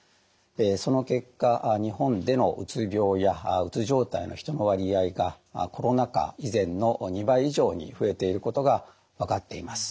その結果日本でのうつ病やうつ状態の人の割合がコロナ禍以前の２倍以上に増えていることが分かっています。